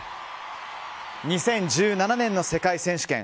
２０１７年の世界選手権。